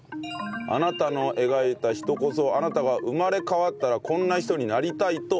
あなたの描いた人こそあなたが生まれ変わったらこんな人になりたいと思ってる人。